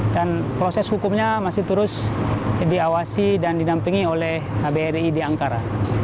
dan proses hukumnya masih terus diawasi dan dinampingi oleh hbri di ankara